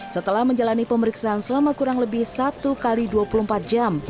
setelah menjalani pemeriksaan selama kurang lebih satu x dua puluh empat jam